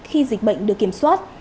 khi dịch bệnh được kiểm soát